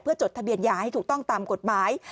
จดทะเบียนยาให้ถูกต้องตามกฎหมาย